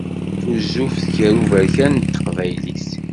Tuzzuft gar uberkan d teqbaylit.